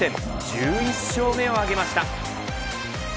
１１勝目を挙げました。